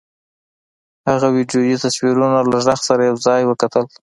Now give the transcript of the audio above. هغه ویډیويي تصویرونه له غږ سره یو ځای وکتل